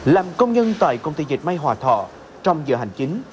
làm công nhân tại công ty dịch may hòa thọ trong giờ hành chính